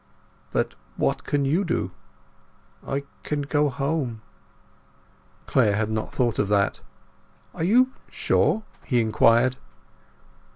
"But what can you do?" "I can go home." Clare had not thought of that. "Are you sure?" he inquired.